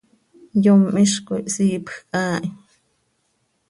Yom hizcoi hsiipjc haa hi.